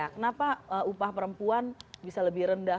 kenapa upah perempuan bisa lebih rendah